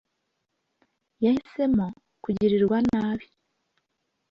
Yahisemo kugirirwa nabi